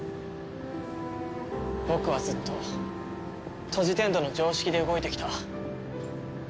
僕はずっとトジテンドの常識で動いてきた。